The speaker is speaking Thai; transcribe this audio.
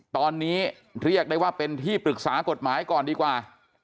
ตอนนี้เรียกได้ว่าเป็นที่ปรึกษากฎหมายก่อนดีกว่า